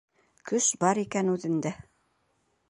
Көс бар икән үҙендә.